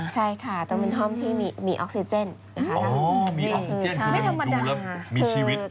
ใช่ค่ะแต่มันห้อมที่มีออกซิเจนอ๋อมีออกซิเจนไม่ธรรมดามีชีวิต